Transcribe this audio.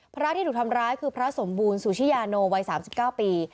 พระที่ถูกทำร้ายคือพระสมบูรณสุชิยาโนวัย๓๙ปี